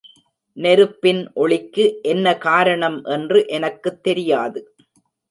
நெருப்பின் ஒளிக்கு என்ன காரணம் என்று எனக்குத் தெரியாது.